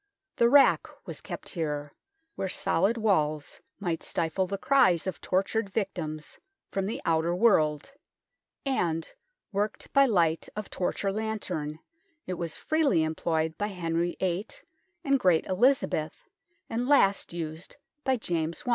The rack was kept here, where solid walls might stifle the cries of tortured victims from the outer world, and, worked by light of torch or lantern, it was freely employed by Henry VIII and great Elizabeth, and last used by James I.